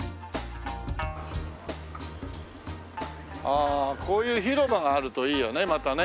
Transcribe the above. ああこういう広場があるといいよねまたね。